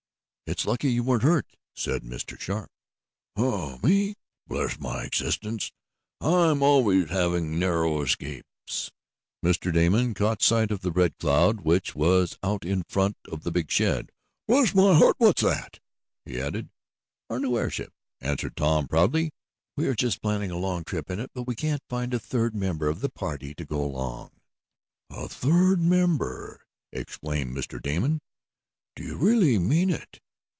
"It's lucky you weren't hurt," said Mr. Sharp. "Oh, me? Bless my existence! I'm always having narrow escapes." Mr. Damon caught sight of the Red Cloud which was out in front of the big shed. "Bless my heart! What's that?" he added. "Our new airship," answered Tom proudly. "We are just planning a long trip in it, but we can't find a third member of the party to go along." "A third member!" exclaimed Mr. Damon. "Do you really mean it?"